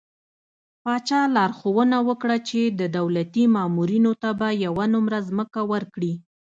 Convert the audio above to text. پاچا لارښوونه وکړه چې د دولتي مامورينو ته به يوه نمره ځمکه ورکړي .